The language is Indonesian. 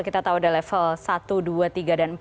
kita tahu ada level satu dua tiga dan empat